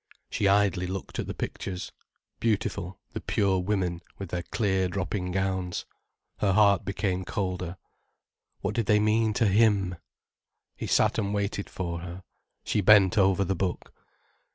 She idly looked at the pictures. Beautiful, the pure women, with their clear dropping gowns. Her heart became colder. What did they mean to him? He sat and waited for her. She bent over the book.